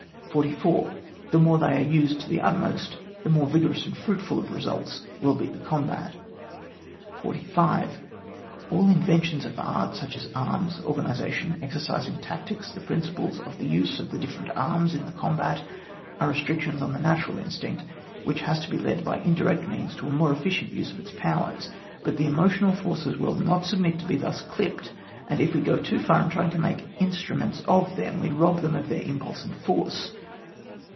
44. The more they are used to the utmost, the more vigorous and fruitful of results will be the combat. 45. All inventions of art, such as arms, organisation, exercise in tactics, the prin ciples of the use of the different arms in the combat, are restrictions on the natural instinct, which has to be led by indirect means to a more efficient use of its powers. But the emotional forces will not submit to be thus clipped, and if we go too far in trying to make instruments of them, we rob them of their impulse and force.